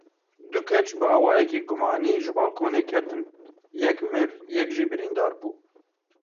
Du keç bi awayekî gumanî ji balkonê ketin; yek mir, yek jî birîndar bû.